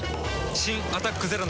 新「アタックＺＥＲＯ」